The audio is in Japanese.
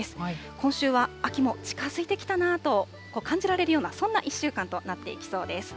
今週は秋も近づいてきたなと感じられるような、そんな１週間となっていきそうです。